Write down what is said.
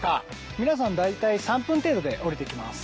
皆さん大体３分程度で下りてきます。